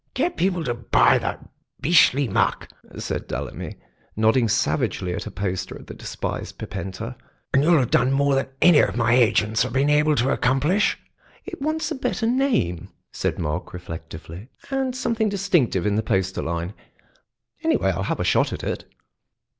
"Get people to buy that beastly muck," said Dullamy, nodding savagely at a poster of the despised Pipenta, "and you'll have done more than any of my agents have been able to accomplish." "It wants a better name," said Mark reflectively, "and something distinctive in the poster line. Anyway, I'll have a shot at it."